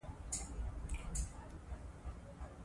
ښتې د افغانستان د امنیت په اړه هم اغېز لري.